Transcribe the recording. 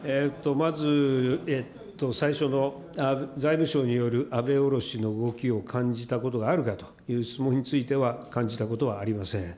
まず最初の財務省による安倍降ろしの動きを感じたことがあるかという質問については感じたことはありません。